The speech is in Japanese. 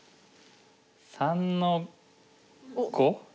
３の五。